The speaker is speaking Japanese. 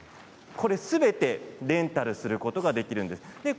これ、すべてレンタルすることができるんです。